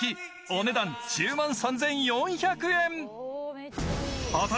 お値段１０万３４００円。